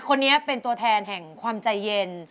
คนนี้เป็นตัวแทนแห่งความใจเย็น